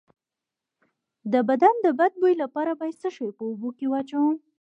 د بدن د بد بوی لپاره باید څه شی په اوبو کې واچوم؟